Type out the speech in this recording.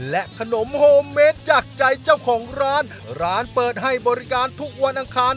และขนมโฮมเมดจากใจเจ้าของร้านร้านเปิดให้บริการทุกวันอังคาร